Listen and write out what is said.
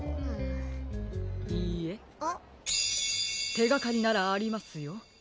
てがかりならありますよ。